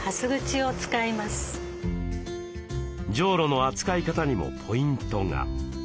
じょうろの扱い方にもポイントが。